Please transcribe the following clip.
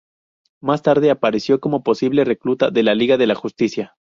Más tarde apareció como posible recluta de la Liga de la Justicia.